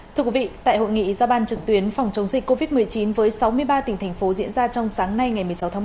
thưa quý vị tại hội nghị giao ban trực tuyến phòng chống dịch covid một mươi chín với sáu mươi ba tỉnh thành phố diễn ra trong sáng nay ngày một mươi sáu tháng một mươi